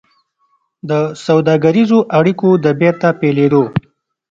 د سوداګريزو اړيکو د بېرته پيلېدو